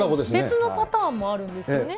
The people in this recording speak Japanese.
別のパターンもあるんですね。